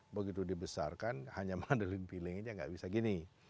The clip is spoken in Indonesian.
begitu dibesarkan hanya mandolin pilingnya nggak bisa gini